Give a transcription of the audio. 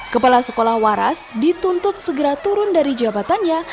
kepala sekolah waras dituntut segera turun dari jabatannya